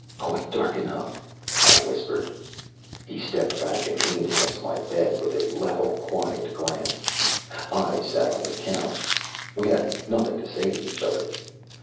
"Quite dark enough," I whispered. He stepped back and leaned against my bed with a level, quiet glance. I sat on the couch. We had nothing to say to each other.